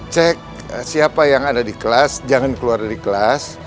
cek siapa yang ada di kelas jangan keluar dari kelas